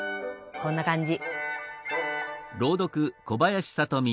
こんな感じ。